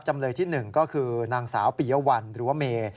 จำเลยที่หนึ่งก็คือนางสาวปียะวันหรือว่าเม